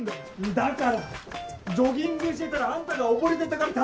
だからジョギングしてたらあんたが溺れてたから助けた！